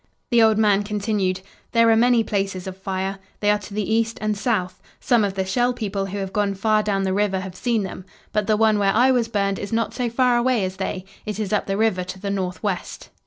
The old man continued: "There are many places of fire. They are to the east and south. Some of the Shell People who have gone far down the river have seen them. But the one where I was burned is not so far away as they; it is up the river to the northwest."